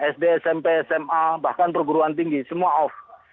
sd smp sma bahkan perguruan tinggi semua off